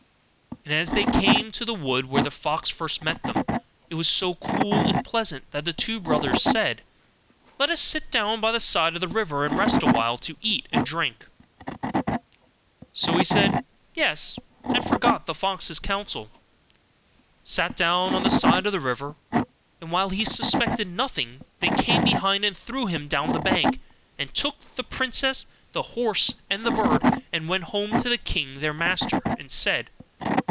And as they came to the wood where the fox first met them, it was so cool and pleasant that the two brothers said, 'Let us sit down by the side of the river, and rest a while, to eat and drink.' So he said, 'Yes,' and forgot the fox's counsel, and sat down on the side of the river; and while he suspected nothing, they came behind, and threw him down the bank, and took the princess, the horse, and the bird, and went home to the king their master, and said.